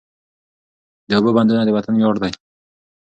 د اوبو بندونه د وطن ویاړ دی.